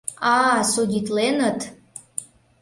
— А-а, судитленыт!..